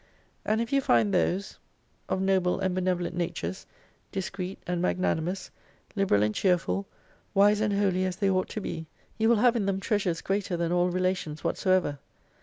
And if you find those of noble and 62 benevolent natures, discreet and magnanimous, liberal ?nd cheerful, wise and holy as they ought to be, you will have in them treasures greater than all relations whatsoever.